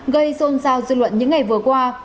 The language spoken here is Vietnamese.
gây xôn xao dư luận những ngày vừa qua